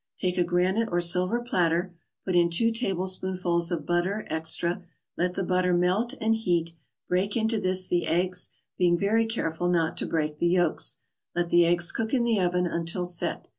Take a granite or silver platter, put in two tablespoonfuls of butter extra, let the butter melt and heat; break into this the eggs, being very careful not to break the yolks. Let the eggs cook in the oven until "set."